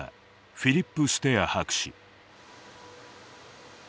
フィリップ・ステア博士。